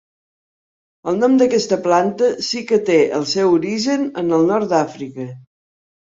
El nom d'aquesta planta sí que té el seu origen en el nord d'Àfrica.